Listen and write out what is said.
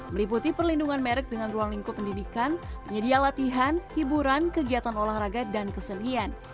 meliputi perlindungan merek dengan ruang lingkup pendidikan penyedia latihan hiburan kegiatan olahraga dan kesenian